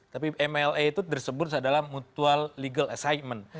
tapi mla itu tersebut adalah mutual legal assignment